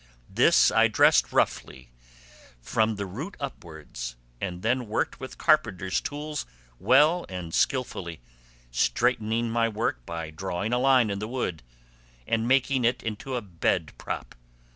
This I dressed roughly from the root upwards and then worked with carpenter's tools well and skilfully, straightening my work by drawing a line on the wood, and making it into a bed prop.